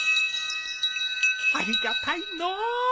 ありがたいのう。